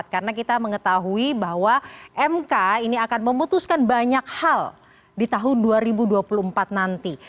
karena kita mengetahui bahwa mk ini akan memutuskan banyak hal di tahun dua ribu dua puluh empat nanti